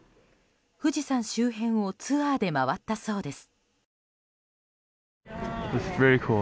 富士山周辺をツアーで回ったそうです。